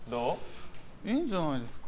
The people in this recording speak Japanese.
いいんじゃないですか。